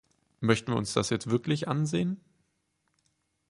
Möchten wir uns das jetzt wirklich ansehen?